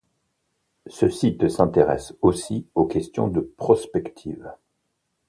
Ce site s'intéresse aussi aux questions de prospective.